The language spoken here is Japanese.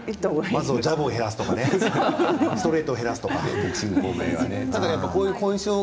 ジャブを減らすストレート減らすとかね。